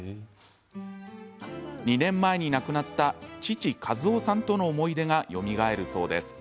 ２年前に亡くなった父一男さんとの思い出がよみがえるそうです。